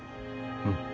うん。